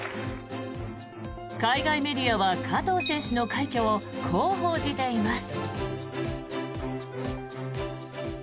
海外メディアは加藤選手の快挙をこう報じています。